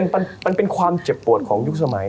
นั่นแหละมันเป็นความเจ็บปวดของยุคสมัย